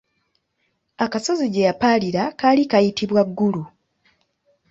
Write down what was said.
Akasozi gye yapaalira kaali kayitibwa Ggulu.